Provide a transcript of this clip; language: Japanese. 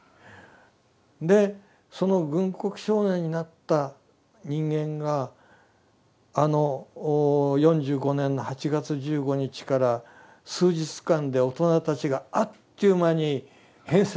でその軍国少年になった人間があの４５年の８月１５日から数日間で大人たちがあっという間に変節するわけ。